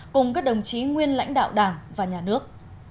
cùng các đồng chí nguyên lãnh đạo đảng và nhà nước